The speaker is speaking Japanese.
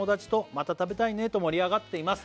「また食べたいねと盛り上がっています」